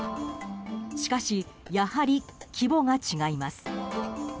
しかし、やはり規模が違います。